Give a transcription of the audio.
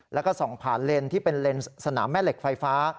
แล้วก็ส่องผ่านเลนที่เป็นเลนส์สนามแม่เหล็กไฟฟ้า